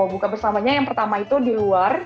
buka bersamanya yang pertama itu di luar